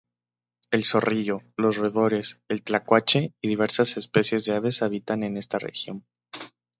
El zorrillo, los roedores, el tlacuache y diversas especies de aves habitan esta región.